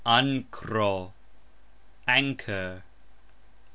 ankro : anchor.